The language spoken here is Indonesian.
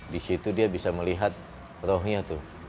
di situ dia bisa melihat rohia tuh